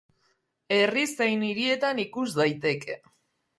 Herri zein hirietan ikus daiteke.